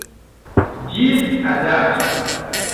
Ĝis agaco.